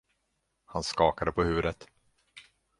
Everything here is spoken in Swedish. Han skakade på huvudet.